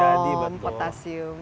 menggunakan bom potasium